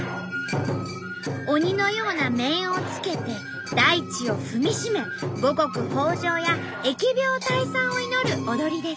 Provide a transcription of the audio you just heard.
鬼のような面をつけて大地を踏みしめ五穀豊穣や疫病退散を祈る踊りです。